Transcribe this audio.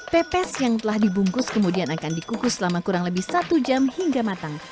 pepes yang telah dibungkus kemudian akan dikukus selama kurang lebih satu jam hingga matang